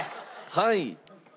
はい。